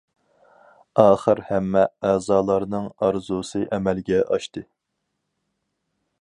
ئاخىر ھەممە ئەزالارنىڭ ئارزۇسى ئەمەلگە ئاشتى.